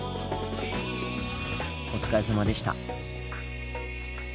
お疲れさまでした。